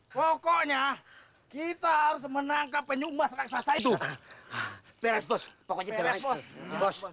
pokoknya kita harus menangkap penyumbas raksasa itu beres bos pokoknya beres bos